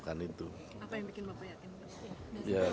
dan itu dia yang menyebabkan saya jadi orang yang sangat melukis